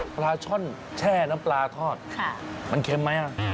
ปลาช่อนแช่น้ำปลาทอดมันเค็มไหม